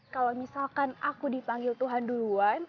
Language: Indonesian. kalau misalkan aku dipanggil tuhan duluan